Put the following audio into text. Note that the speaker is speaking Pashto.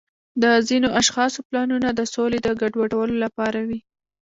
د ځینو اشخاصو پلانونه د سولې د ګډوډولو لپاره وي.